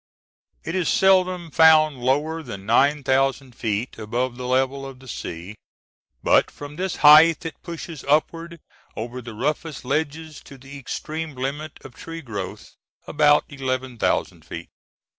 It is seldom found lower than nine thousand feet above the level of the sea, but from this height it pushes upward over the roughest ledges to the extreme limit of tree growth—about eleven thousand feet.